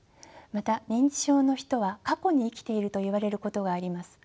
また認知症の人は過去に生きていると言われることがあります。